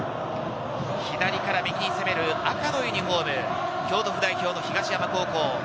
左から右に攻める赤のユニホーム、京都府代表の東山高校。